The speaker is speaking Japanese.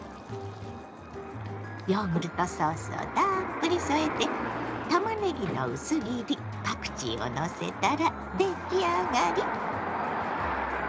ヨーグルトソースをたっぷり添えてたまねぎの薄切りパクチーをのせたら出来上がり。